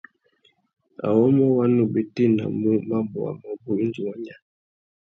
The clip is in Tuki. Awômô wa nu bétēnamú mabôwa mabú indi wa nya.